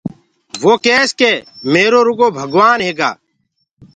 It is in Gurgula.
وو ڪيس ڪي ميرو رکو ڀگوآن هيگآ۔